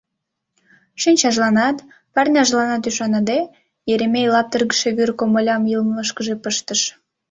Шинчажланат, парняжланат ӱшаныде, Еремей лаптыргыше вӱр комылям йылмышкыже пыштыш.